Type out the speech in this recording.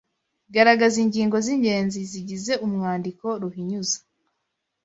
Garagaza ingingo z’ingenzi zigize umwandiko Ruhinyuza